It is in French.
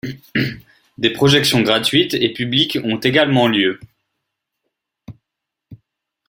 Des projections gratuites et publiques ont également lieu.